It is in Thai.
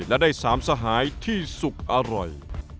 และได้๓สหายที่สุกอร่อย